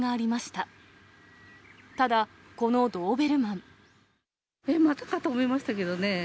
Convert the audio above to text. ただ、このドーベルマン。え？